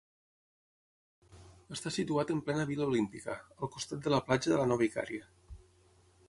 Està situat en plena Vila Olímpica, al costat de la Platja de la Nova Icària.